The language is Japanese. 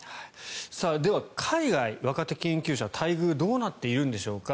では、海外若手研究者待遇はどうなっているのでしょうか。